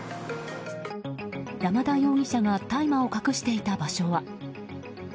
山田容疑者が大麻を隠していた場所は。